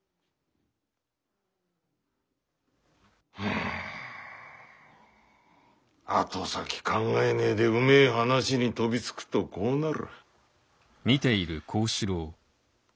ん後先考えねえでうめえ話に飛びつくとこうなる。